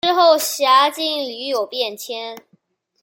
之后辖境屡有变迁。